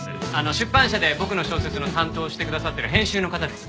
出版社で僕の小説の担当をしてくださっている編集の方です。